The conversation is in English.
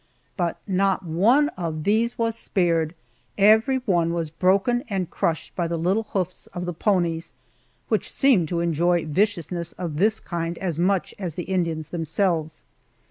But not one of these was spared every one was broken and crushed by the little hoofs of the ponies, which seem to enjoy viciousness of this kind as much as the Indians themselves.